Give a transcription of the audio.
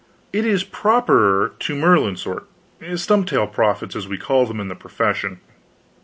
It is properer to Merlin's sort stump tail prophets, as we call them in the profession.